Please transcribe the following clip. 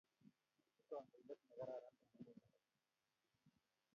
kikandoiten nekararan en emt nyon